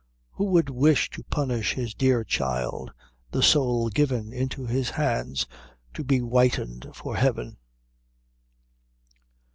Who would wish to punish his dear child, the soul given into his hands to be whitened for heaven?